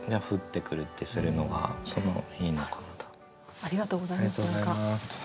ありがとうございます。